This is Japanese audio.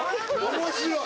面白い。